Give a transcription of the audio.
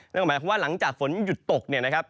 นึกออกมาว่าหลังจากฝนหยุดตก